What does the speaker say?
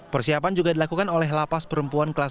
persiapan juga dilakukan oleh lepas perempuan kelas dpr